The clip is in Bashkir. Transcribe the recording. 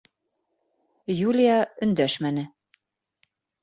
Юлия өндәшмәне.